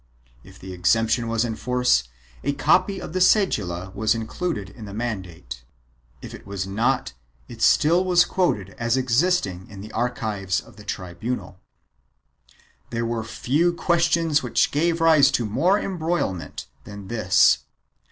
if the exemption was in force, a copy of the cedula was included in the mandate, if it was not it still was quoted as existing in the archives of the tribunal.1 There were few questions which gave rise to more embroilment than this.